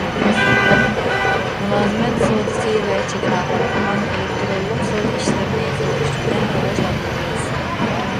مۇلازىمەت سودىسى ۋە چېگرا ھالقىغان ئېلېكتىرونلۇق سودا ئىشلىرىنى زور كۈچ بىلەن راۋاجلاندۇرىمىز.